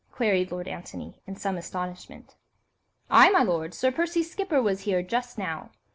queried Lord Antony, in some astonishment. "Aye, my lord. Sir Percy's skipper was here just now.